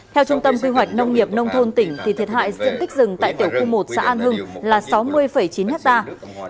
theo trung tâm quy hoạch nông nghiệp nông thôn tỉnh thì thiệt hại diện tích rừng tại tiểu khu một xã an hưng là sáu mươi chín hectare